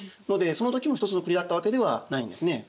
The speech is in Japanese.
その時も一つの国だったわけではないんですね。